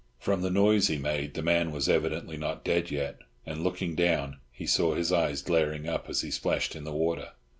From the noise he made the man was evidently not dead yet, and, looking down, he saw his eyes glaring up as he splashed in the water.